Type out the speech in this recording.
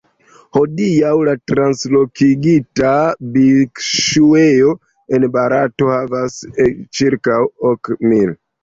Hodiaŭ, la translokigita bikŝuejo en Barato havas ĉirkaŭ ok mil.